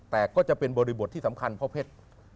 แต่ก็จะเป็นบริบทที่สำคัญพ่อเพชร